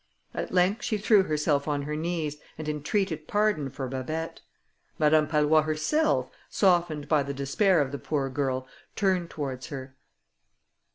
At length she threw herself on her knees, and entreated pardon for Babet. Madame Pallois herself, softened by the despair of the poor girl, turned towards her.